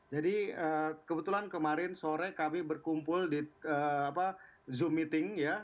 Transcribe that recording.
jadi kebetulan kemarin sore kami berkumpul di zoom meeting ya